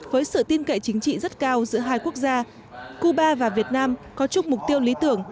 với sự tin cậy chính trị rất cao giữa hai quốc gia cuba và việt nam có chung mục tiêu lý tưởng